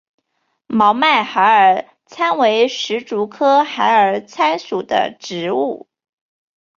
毛脉孩儿参为石竹科孩儿参属的植物。